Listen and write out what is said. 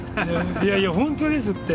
いやいやホントですって。